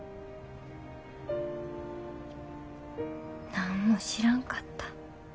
何も知らんかった。